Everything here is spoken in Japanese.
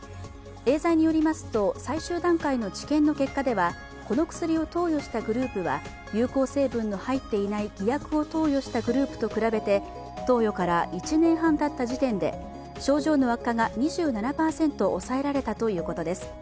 エーザイによりますと、最終段階の治験の結果ではこの薬を投与したグループは有効成分の入っていない偽薬を投与したグループと比べて投与から１年半たった時点で症状の悪化が２７％抑えられたということです。